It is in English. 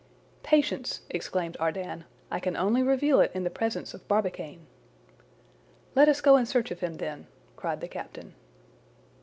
"Patience!" exclaimed Ardan. "I can only reveal it in the presence of Barbicane." "Let us go in search of him then!" cried the captain.